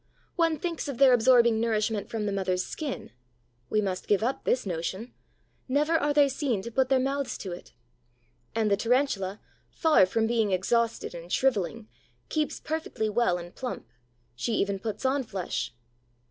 One thinks of their absorbing nourishment from their mother's skin. We must give up this notion. Never are they seen to put their mouths to it. And the Tarantula, far from being exhausted and shriveling, keeps perfectly well and plump; she even puts on flesh.